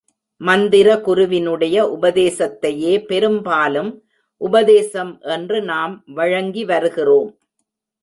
மந்திர குருவினுடைய உபதேசத்தையே பெரும்பாலும் உபதேசம் என்று நாம் வழங்கி வருகிறோம்.